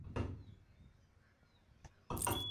Está abierto todos los días sin cargo alguno.